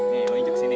nih yuk jep kesini